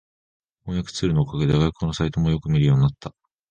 翻訳ツールのおかげで外国のサイトもよく見るようになった